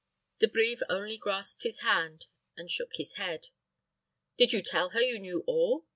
De Brives only grasped his hand, and shook his head. "Did you tell her you knew all?"